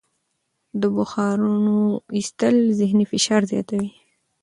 د بخارونو ایستل ذهني فشار زیاتوي.